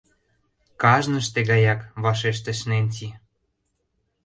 — Кажныште гаяк, — вашештыш Ненси.